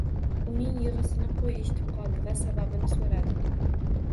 Uning yigʻisini qoʻy eshitib qoldi va sababini soʻradi